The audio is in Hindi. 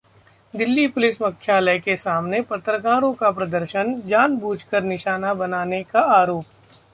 दिल्ली पुलिस मुख्यालय के सामने पत्रकारों का प्रदर्शन, जानबूझकर निशाना बनाने का आरोप